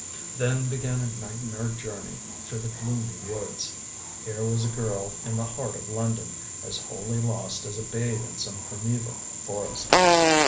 Then began a nightmare journey through the gloomy woods. Here was a girl in the heart of London, as wholly lost as a babe in some primeval forest.